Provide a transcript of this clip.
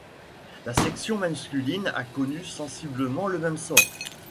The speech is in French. La section masculine a connu sensiblement le même sort.